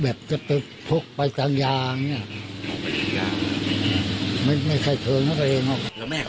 แล้วแม่เขาว่ายังไงบ้างครับ